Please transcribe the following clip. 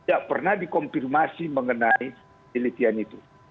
tidak pernah dikonfirmasi mengenai penelitian itu